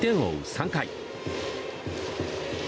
３回。